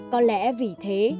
có lẽ vì thế